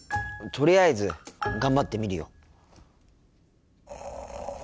とりあえず頑張ってみるよ。